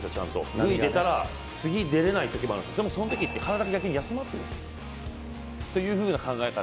塁に出たら、次、出られないときがある、でもそのとき体が逆に休まってるんですよというふうな考え方